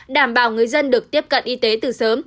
đảm bảo người dân được tiếp cận y tế từ sớm